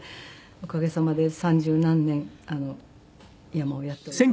おかげさまで三十何年山をやっております。